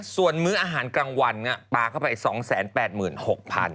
ส่วนมื้ออาหารกลางวันปลาเข้าไป๒๘๖๐๐บาท